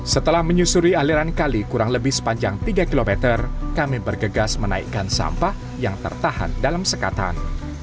setelah menyusuri aliran kali kurang lebih sepanjang tiga km kami bergegas menaikkan sampah yang tertahan dalam sekatan